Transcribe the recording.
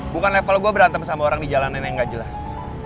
bukan level gue berantem sama orang di jalanan yang gak jelas